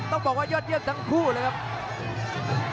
ต้องบอกว่ายอดเยี่ยมทั้งคู่เลยครับ